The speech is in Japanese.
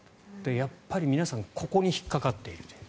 やっぱり皆さんここに引っかかっているという。